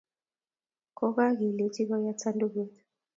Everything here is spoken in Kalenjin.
Kokelchi koyat sandukut